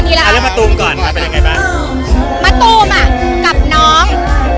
นี่แหละเอาเรื่องมะตูมก่อนค่ะเป็นยังไงบ้างมะตูมอ่ะกับน้อง